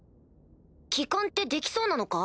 帰還ってできそうなのか？